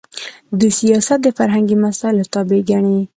دوی سیاست د فرهنګي مسایلو تابع ګڼي.